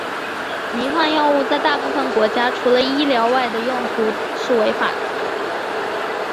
迷幻药物在大部分国家除了医疗外的用途是违法的。